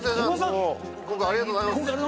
今回ありがとうございます。